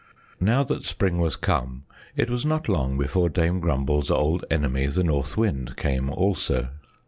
Now that spring was come, it was not long before Dame Grumble's old enemy, the North Wind, came also.